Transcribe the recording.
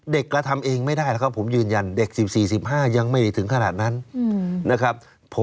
เด็กกระทำเองไม่ได้แล้วผมยืนยันเด็ก๑๔๑๕ยังไม่ถึงขนาดนั้นนะครับ